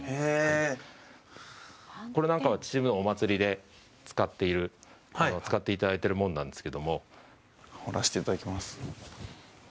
これなんかは秩父のお祭りで使っている使っていただいてるものなんですけども羽織らせていただきます